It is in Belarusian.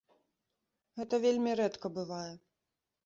Гэта вельмі рэдка бывае.